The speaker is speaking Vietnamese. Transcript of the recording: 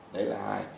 đấy là hai